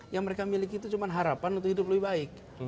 yang mereka miliki itu cuma harapan untuk hidup lebih baik